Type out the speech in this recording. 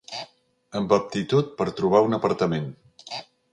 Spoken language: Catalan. Amb aptitud per trobar un apartament.